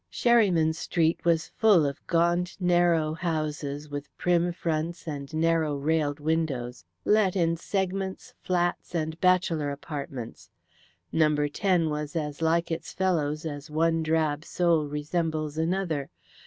Sherryman Street was full of gaunt, narrow houses, with prim fronts and narrow railed windows, let in segments, flats, and bachelor apartments. Number 10 was as like its fellows as one drab soul resembles another.